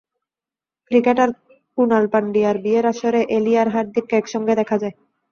Cricketer Kunal পান্ডিয়ার বিয়ের আসরে এলি আর হার্দিককে একসঙ্গে দেখা যায়।